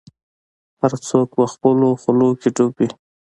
هر څوک به خپلو حولو کي ډوب وي